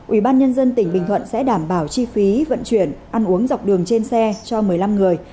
ubnd tỉnh bình thuận sẽ đảm bảo chi phí vận chuyển ăn uống dọc đường trên xe cho một mươi năm người